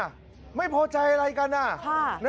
นี่ไม่พอใจอะไรกันน่ะ